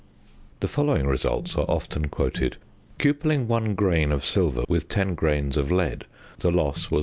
The following results are often quoted: Cupelling 1 grain of silver with 10 grains of lead, the loss was 1.